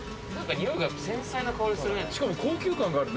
においが繊細な香りするね。